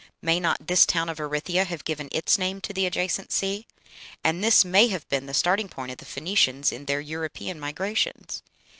May not this town of Erythia have given its name to the adjacent sea? And this may have been the starting point of the Phoenicians in their European migrations.